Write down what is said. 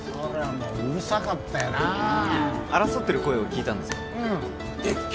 もううるさかったよな争ってる声を聞いたんですか？